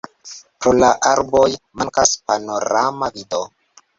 Pro la arboj mankas panorama vido.